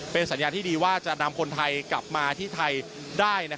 เป็นสัญญาณที่ดีว่าจะนำคนไทยกลับมาที่ไทยได้